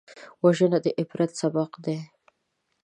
وژنه د عبرت سبق دی